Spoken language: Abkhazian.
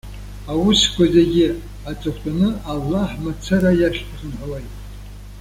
Аусқәа зегьы аҵыхәтәаны Аллаҳ мацара иахь ихынҳәуеит.